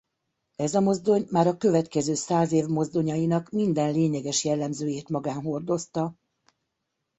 Ez a mozdony már a következő száz év mozdonyainak minden lényeges jellemzőjét magán hordozta.